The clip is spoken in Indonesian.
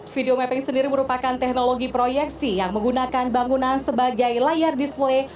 video mapping sendiri merupakan teknologi proyeksi yang menggunakan bangunan sebagai layar display